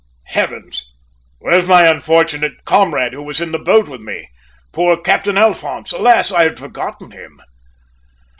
"Heavens! Where's my unfortunate comrade who was in the boat with me poor Captain Alphonse? Alas, I had forgotten him!"